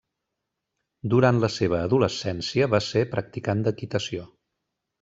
Durant la seva adolescència va ser practicant d'equitació.